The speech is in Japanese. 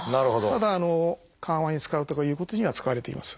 ただ緩和に使うとかいうことには使われています。